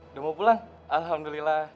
udah mau pulang alhamdulillah